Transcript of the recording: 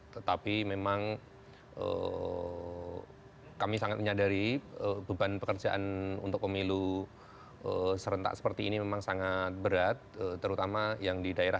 terima kasih sekali atas informasinya